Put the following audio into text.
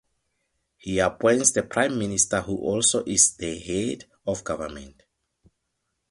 He appoints the Prime Minister who also is the head of government.